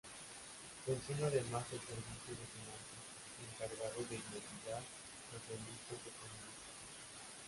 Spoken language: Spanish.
Funciona además el "Servicio de Finanzas", encargado de investigar los delitos económicos.